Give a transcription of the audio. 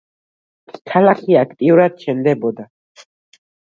ქალაქი აქტიურად შენდებოდა.